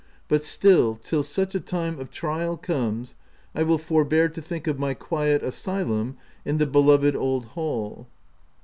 but still, till such a time of trial comes, I will forbear to think of my quiet asylum in the beloved old hall.